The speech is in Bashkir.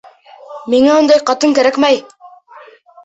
Миңә ундай ҡатын кәрәкмәй.